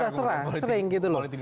sudah sering gitu loh